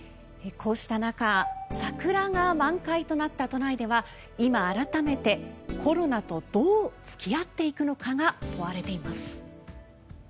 こうした中桜が満開となった都内では今、改めてコロナとどう付き合っていくのかが問われています。